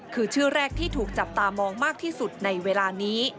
คือชื่อแรกที่ถูกจับตามองมากที่สุดในเวลานี้